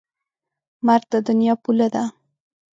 مرګ د دنیا پوله ده.